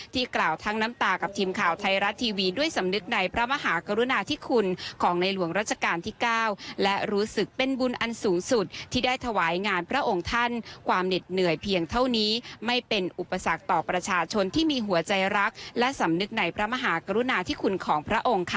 กล่าวทั้งน้ำตากับทีมข่าวไทยรัฐทีวีด้วยสำนึกในพระมหากรุณาธิคุณของในหลวงรัชกาลที่๙และรู้สึกเป็นบุญอันสูงสุดที่ได้ถวายงานพระองค์ท่านความเหน็ดเหนื่อยเพียงเท่านี้ไม่เป็นอุปสรรคต่อประชาชนที่มีหัวใจรักและสำนึกในพระมหากรุณาธิคุณของพระองค์ค่ะ